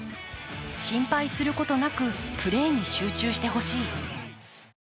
心配することなくプレーに集中してほしい。